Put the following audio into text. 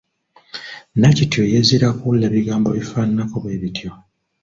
Nakitto yeezira kuwulira bigambo bifaananako bwe bityo.